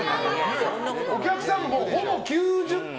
お客さんもほぼ９０点。